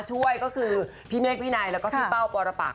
ช่วยก็คือพี่เมฆวินัยแล้วก็พี่เป้าปรปัก